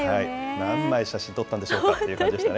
何枚写真撮ったんでしょうかという感じでしたよね。